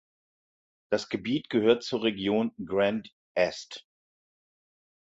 Das Gebiet gehört zur Region Grand Est.